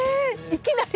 いきなり！